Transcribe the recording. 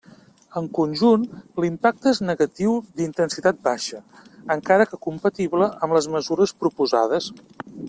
En conjunt, l'impacte és negatiu d'intensitat baixa, encara que compatible amb les mesures proposades.